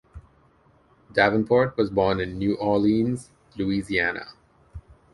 Davenport was born in New Orleans, Louisiana.